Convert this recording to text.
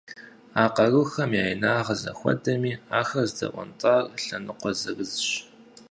А къарухэм я инагъыр зэхуэдэми, ахэр здэунэтӏар лъэныкъуэ зырызщ.